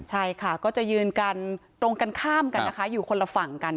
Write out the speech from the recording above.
ใช่ค่ะก็จะยืนกันตรงกันข้ามกันนะคะอยู่คนละฝั่งกัน